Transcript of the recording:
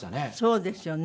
そうですよね。